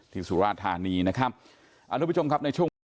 ที่สุราชธานีนะครับ